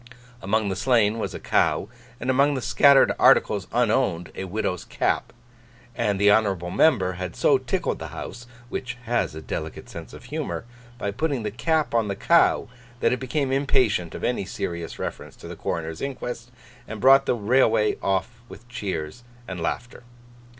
Among the slain was a cow, and among the scattered articles unowned, a widow's cap. And the honourable member had so tickled the House (which has a delicate sense of humour) by putting the cap on the cow, that it became impatient of any serious reference to the Coroner's Inquest, and brought the railway off with Cheers and Laughter.